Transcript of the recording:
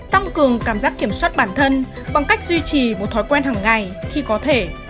tăng cường cảm giác kiểm soát bản thân bằng cách duy trì một thói quen hàng ngày khi có thể